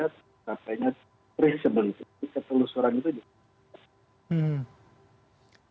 tercapainya traceability ketelusuran itu juga